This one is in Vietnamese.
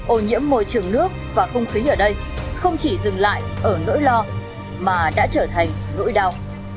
ô nhiễm môi trường nước và không khí ở đây không chỉ dừng lại ở nỗi lo mà đã trở thành nỗi đau